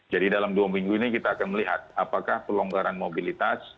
jadi dalam dua minggu ini kita akan melihat apakah pelonggaran mobilitas